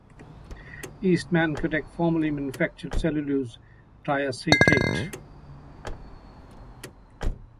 Eastman Kodak formerly manufactured cellulose triacetate.